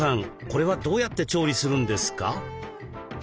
これはどうやって調理するんですか？